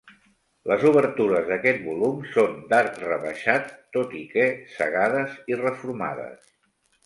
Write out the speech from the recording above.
Les obertures d'aquest volum són d'arc rebaixat, tot i que cegades i reformades.